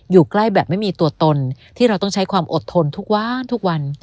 อยู่ใกล้แบบไม่มีตัวตนที่เราต้องใช้ความอดทนทุกวันทุกวัน